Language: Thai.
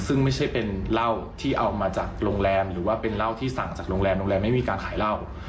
ซึ่งไม่ใช่เป็นเหล้าที่เอามาจากโรงแรมหรือว่าเป็นเหล้าที่สั่งจากโรงแรมโรงแรมไม่มีการขายเหล้า